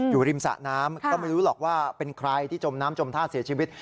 อยู่ริมสะน้ำก็ไม่รู้หรอกว่าเป็นใครที่จมน้ำจมท่าเสียชีวิต